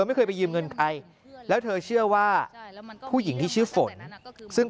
ไม่เคยไปยืมเงินใครแล้วเธอเชื่อว่าผู้หญิงที่ชื่อฝนซึ่ง